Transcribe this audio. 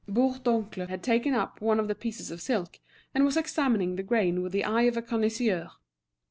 Bourdoncle had taken up one of the pieces of silk, and was examining the grain with the eye of a connoisseur.